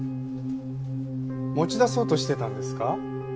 持ち出そうとしてたんですか？